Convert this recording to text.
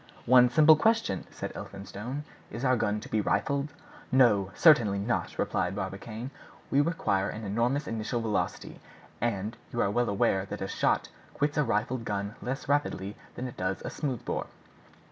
"One simple question," said Elphinstone: "is our gun to be rifled?" "No, certainly not," replied Barbicane; "we require an enormous initial velocity; and you are well aware that a shot quits a rifled gun less rapidly than it does a smooth bore."